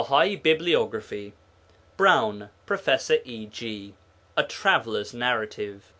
BAHAI BIBLIOGRAPHY BROWNE, Prof. E. G. A Traveller's Narrative.